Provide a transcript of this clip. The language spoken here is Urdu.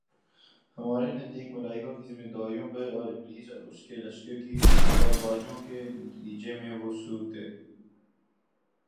ہمارے نزدیک، ملائکہ کی ذمہ داریوں اور ابلیس اور اس کے لشکر کی چالبازیوں کے نتیجے میں وہ صورتِ